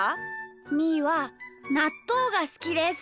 みーはなっとうがすきです。